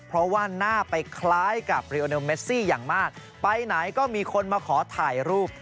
เพราะว่าหน้าไปคล้ายกับเรียมเมซี่อย่างมากไปไหนก็มีคนมาขอถ่ายรูป